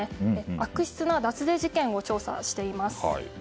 悪質な脱税事件を調査しています。